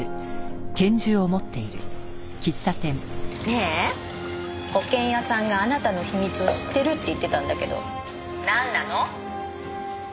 ねえ保険屋さんがあなたの秘密を知ってるって言ってたんだけどなんなの？